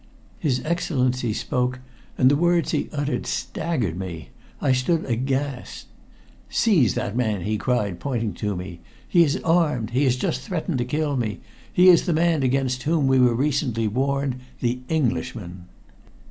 His Excellency spoke, and the words he uttered staggered me. I stood aghast. "Seize that man!" he cried, pointing to me. "He is armed! He has just threatened to kill me! He is the man against whom we were recently warned the Englishman!"